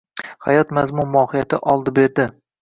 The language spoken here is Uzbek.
Hayot mazmun-mohiyati — “oldi-berdi”.